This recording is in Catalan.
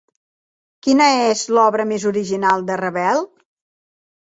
Quina és l'obra més original de Ravel?